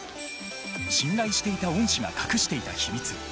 信頼していた恩師が隠していた秘密。